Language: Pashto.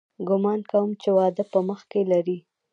ګومان کوم چې واده په مخ کښې لري.